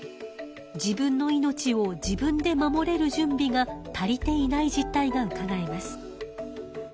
自分の命を自分で守れる準備が足りていない実態がうかがえます。